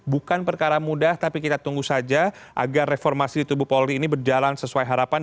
bukan perkara mudah tapi kita tunggu saja agar reformasi di tubuh polri ini berjalan sesuai harapan